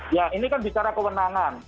ya ini kan bicara kewenangan